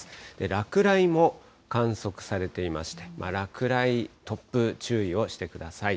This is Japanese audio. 落雷も観測されていまして、落雷、突風、注意をしてください。